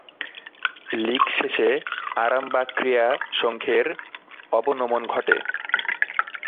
লীগ শেষে আরামবাগ ক্রীড়া সংঘের অবনমন ঘটে।